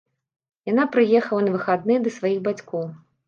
Яна прыехала на выхадныя да сваіх бацькоў.